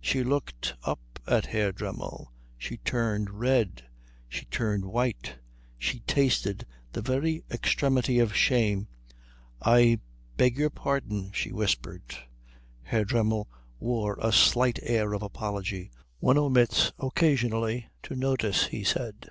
She looked up at Herr Dremmel. She turned red; she turned white; she tasted the very extremity of shame. "I beg your pardon," she whispered. Herr Dremmel wore a slight air of apology. "One omits, occasionally, to notice," he said.